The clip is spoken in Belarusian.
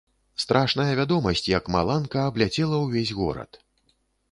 Страшная вядомасць, як маланка, абляцела ўвесь горад.